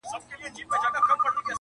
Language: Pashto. ورته ژاړه چي له حاله دي خبر سي،